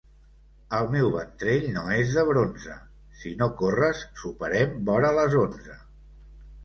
El meu ventrell no és de bronze; si no corres, soparem vora les onze.